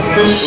aduh aduh aduh